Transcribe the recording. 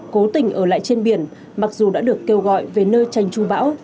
cố tình ở lại trên biển mặc dù đã được kêu gọi về nơi tranh chú bão